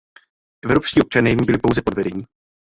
Evropští občané jimi byli pouze podvedeni.